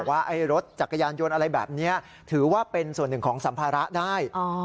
ว่ารถจักรยานยนต์อะไรแบบนี้ถือว่าเป็นส่วนหนึ่งของสัมภาระได้